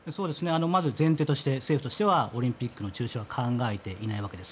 前提として、政府としてはオリンピックの中止は考えていないわけです。